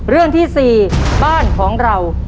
เรื่องที่๔บ้านของเรา